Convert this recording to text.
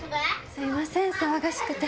すいません騒がしくて。